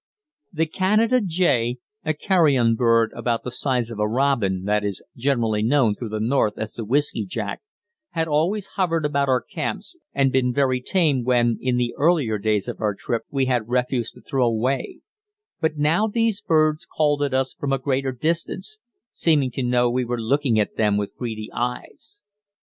The Canada jay, a carrion bird about the size Of a robin that is generally known through the north as the "whiskey jack," had always hovered about our camps and been very tame when, in the earlier days of our trip, we had refuse to throw away; but now these birds called at us from a greater distance, seeming to know we were looking at them with greedy eyes.